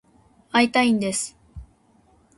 会いたいんです。